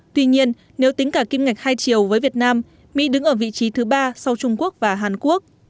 tuy nhiên nếu tính cả kim ngạch hai triệu với việt nam mỹ đứng ở vị trí thứ ba sau trung quốc và hàn quốc